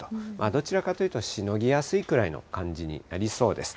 どちらかというとしのぎやすいぐらいの感じになりそうです。